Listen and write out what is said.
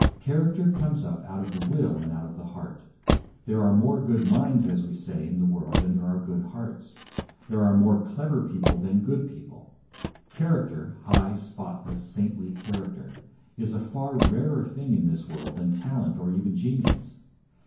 Character comes up out of the will and out of the heart. There are more good minds, as we say, in the world than there are good hearts. There are more clever people than good people; character, high, spotless, saintly character, is a far rarer thing in this world than talent or even genius.